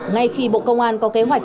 ngay khi bộ công an có kế hoạch